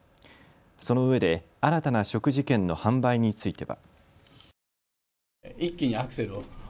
そのうえで新たな食事券の販売については。